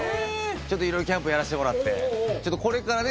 ちょっと色々キャンプやらしてもらってこれからね